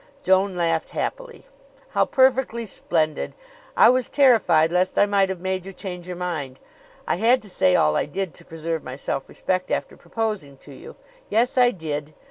Joan laughed happily. "How perfectly splendid! I was terrified lest I might have made you change your mind. I had to say all I did to preserve my self respect after proposing to you. Yes; I did.